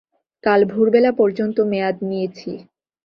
কাল ভোরবেলা পর্যন্ত মেয়াদ নিয়েছি।